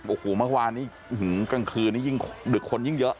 โอ้โหเมื่อวานนี้กลางคืนนี้ยิ่งดึกคนยิ่งเยอะ